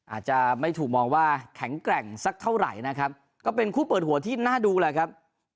อาจจะไม่ถูกมองว่าแข็งแกร่งสักเท่าไหร่นะครับก็เป็นคู่เปิดหัวที่น่าดูแหละครับ